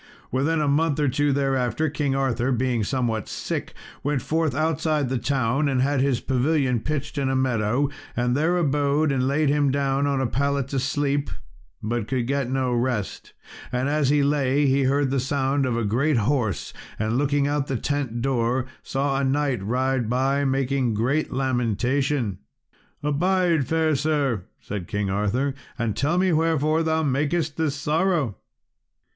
Within a month or two thereafter, King Arthur being somewhat sick, went forth outside the town, and had his pavilion pitched in a meadow, and there abode, and laid him down on a pallet to sleep, but could get no rest. And as he lay he heard the sound of a great horse, and looking out of the tent door, saw a knight ride by, making great lamentation. "Abide, fair sir," said King Arthur, "and tell me wherefore thou makest this sorrow."